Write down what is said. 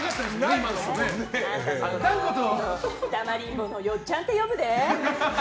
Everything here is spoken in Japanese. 昨日だまりんぼのヨッちゃんって呼ぶで！